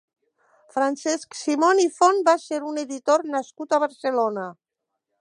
Francesc Simon i Font va ser un editor nascut a Barcelona.